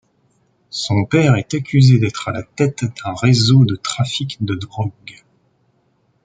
Son père est accusé d'être à la tête d'un réseau de trafic de drogue.